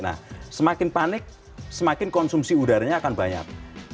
nah semakin panik semakin konsumsi udaranya akan banyak